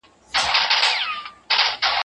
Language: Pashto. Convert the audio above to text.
بې نظمه مواد د څېړني ارزښت له منځه وړي.